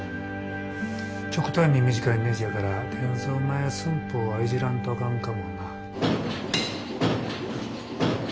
極端に短いねじやから転造前寸法はいじらんとあかんかもな。